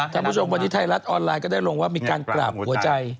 ทางไทยรัฐลงแล้ว